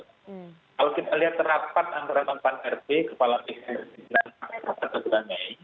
kalau kita lihat rapat antara teman teman rp kepala presiden dan kepala kepala kepala kepala pertama mei